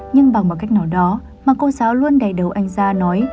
nhưng bằng một cách nào đó mà cô giáo luôn đầy đầu anh ra nói